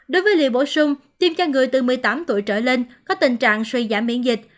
đối với liều bổ sung tiêm cho người từ một mươi tám tuổi trở lên có tình trạng suy giảm miễn dịch